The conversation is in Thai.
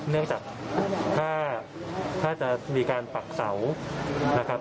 เนื่องจากถ้าจะมีการปักเสานะครับ